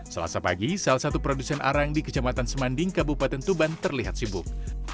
selasa pagi salah satu produsen arang di kecamatan semanding kabupaten tuban terlihat sibuk